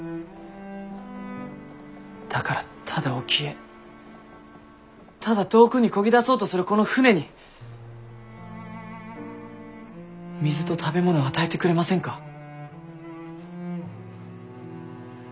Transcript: だからただ沖へただ遠くにこぎ出そうとするこの船に水と食べ物を与えてくれませんか。